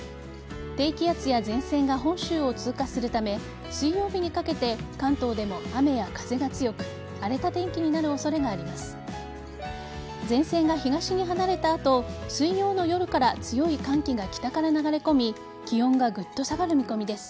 低気圧や前線が本州を通過するため水曜日にかけて関東でも雨や風が強く荒れた天気になる恐れがあります。